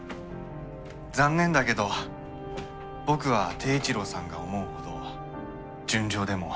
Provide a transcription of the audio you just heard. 残念だけど僕は貞一郎さんが思うほど純情でも貞淑でもない。